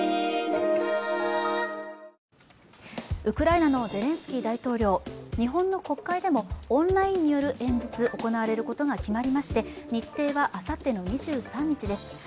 ウクライナのゼレンスキー大統領、日本の国会でもオンラインによる演説が行われることが決まりまして日程はあさっての２３日です。